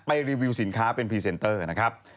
รีวิวสินค้าเป็นพรีเซนเตอร์นะครับ